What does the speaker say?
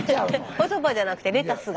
おそばじゃなくてレタスが。